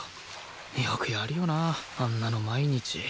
よくやるよなああんなの毎日